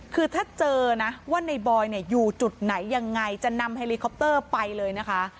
คือถ้าเจอนะว่าในบอยอยู่จุดไหนยังไงจะนำเฮลิคอปเตอร์ไปเลยนะคะ